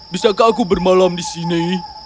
bisakah aku bermalam di sini